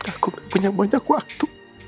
aku punya banyak waktu